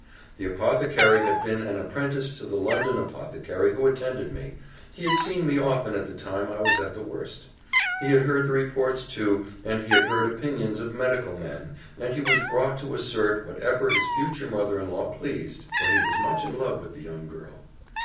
The apothecary had been an apprentice to the London apothecary who attended me; he had seen me often at the time I was at the worst; he had heard the reports too, and he had heard opinions of medical men, and he was brought to assert whatever his future mother in law pleased, for he was much in love with the young girl.